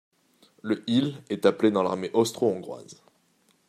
Le il est appelé dans l'Armée austro-hongroise.